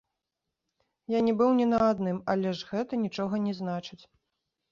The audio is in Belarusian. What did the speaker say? Я не быў ні на адным, але ж гэта нічога не значыць.